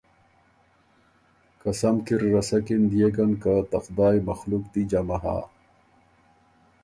که سم کی رسکِن دئېکِن که ته خدایٛ مخلوق دی جمع هۀ۔